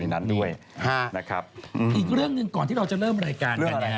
อีกเรื่องหรือ๋งก่อนที่เราจะเริ่มรายการกัน